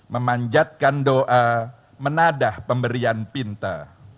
memanjatkan doa menadah pemberian pinta